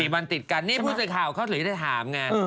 ๔วันติดกันนี่ผู้สิทธิ์ข่าวเขาเลยได้ถามไง